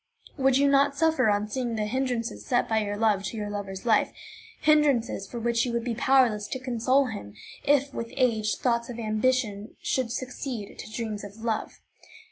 Would you not suffer on seeing the hindrances set by your love to your lover's life, hindrances for which you would be powerless to console him, if, with age, thoughts of ambition should succeed to dreams of love?